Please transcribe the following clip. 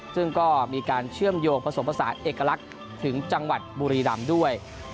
ซึ่งก็มีการเชื่อมโยงผสมผสานเอกลักษณ์ถึงจังหวัดบุรีรำด้วย